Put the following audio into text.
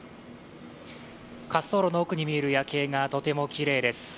滑走路の奥に見える夜景がとてもきれいです。